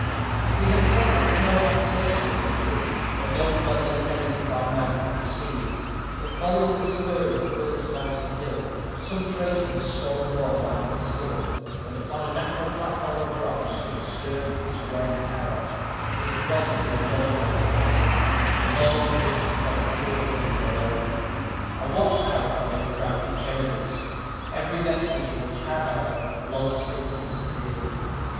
We have said that no habitation was visible; that no dwelling tenanted by man could be seen; but following the spur of the furthest mountain hill, some traces of a stone wall might be discovered; and upon a natural platform of rock stood a stern square tower, which had once been the donjon of the castle, the lords of which had called the four hills their own. A watch tower then had crowned each eminence, every vestige of which had, however, long since disappeared.